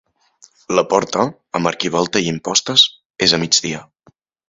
La porta, amb arquivolta i impostes, és a migdia.